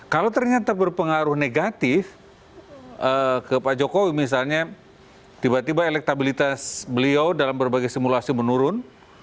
kalau ternyata berpengaruh negatif ke pak jokowi misalnya tiba tiba elektabilitas beliau dalam berbagai simulasi menurun